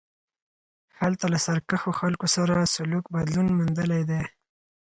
هلته له سرکښو خلکو سره سلوک بدلون موندلی دی.